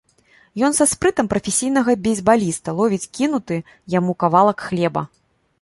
Ён са спрытам прафесійнага бейсбаліста ловіць кінуты яму кавалак хлеба.